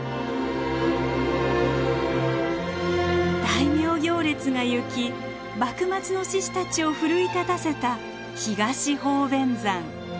大名行列が行き幕末の志士たちを奮い立たせた東鳳翩山。